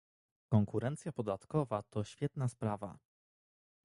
Konkurencja podatkowa to świetna sprawa